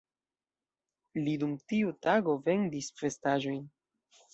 Li dum tiu tago vendis vestaĵojn.